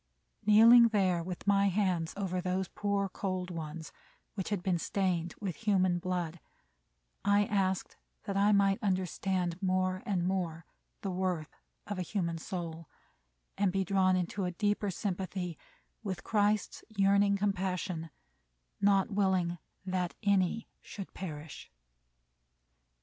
Kneeling there with my hands over those poor, cold ones, which had been stained with human blood, I asked that I might understand more and more the worth of a human soul, and be drawn into a deeper sympathy with Christ's yearning compassion, "not willing that any should perish."